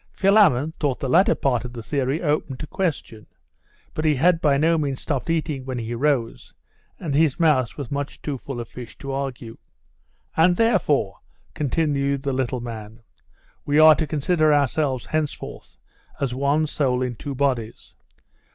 Philammon thought the latter part of the theory open to question, but he had by no means stopped eating when he rose, and his mouth was much too full of fish to argue. 'And therefore,' continued the little man, 'we are to consider ourselves henceforth as one soul in two bodies.